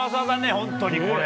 本当にこれ！